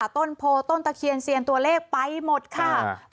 ต้นโพต้นตะเขียนเสียงตัวเลขไปหมดค่ะครับค่ะ